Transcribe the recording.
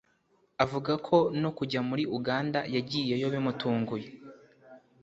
avuga ko no kujya muri Uganda yagiyeyo bimutunguye